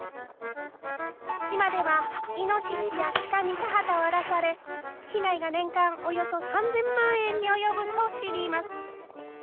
島では、イノシシやシカに田畑を荒らされ、被害が年間およそ３０００万円に及ぶと知ります。